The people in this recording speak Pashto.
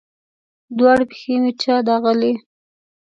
دواړې پښې مې چا داغلي